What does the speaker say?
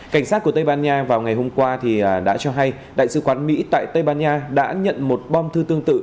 cảnh sát của tây ban nha vào ngày hôm qua đã cho hay đại sứ quán mỹ tại tây ban nha đã nhận một bom thư tương tự